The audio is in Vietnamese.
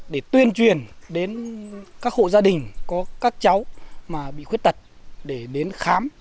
để tuyên truyền đến các hộ gia đình có các cháu mà bị khuyết tật để đến khám